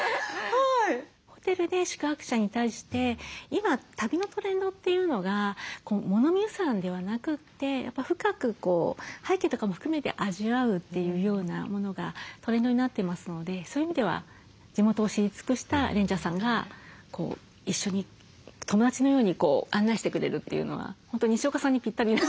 ホテルで宿泊者に対して今旅のトレンドというのが物見遊山ではなくてやっぱ深く背景とかも含めて味わうというようなものがトレンドになっていますのでそういう意味では地元を知り尽くしたレンジャーさんが一緒に友達のように案内してくれるというのは本当にしおかさんにピッタリな。